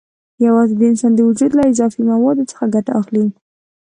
یوازې د انسان د وجود له اضافي موادو څخه ګټه اخلي.